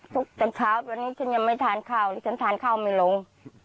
ทุกตั้งเช้าวันนี้ฉันยังไม่ทานข้าวหรือฉันทานข้าวไม่ลง